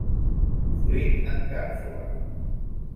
Fruit en càpsula.